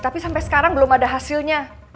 tapi sampai sekarang belum ada hasilnya